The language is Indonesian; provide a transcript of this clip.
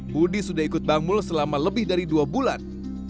budi sudah ikut bangmul selama lebih dari dua bulan